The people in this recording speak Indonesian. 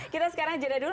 kita sekarang jadikan dulu